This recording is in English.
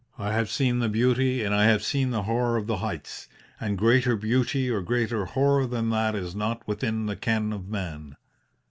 I have seen the beauty and I have seen the horror of the heights and greater beauty or greater horror than that is not within the ken of man.